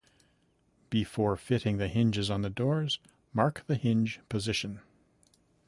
Before fitting the hinges on the doors, mark the hinge position.